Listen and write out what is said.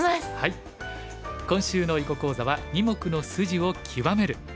今週の囲碁講座は「二目の筋を極める」。